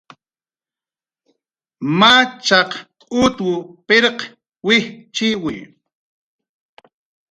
Machaq utw pirq wijchiwi